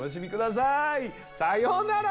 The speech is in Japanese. さようなら。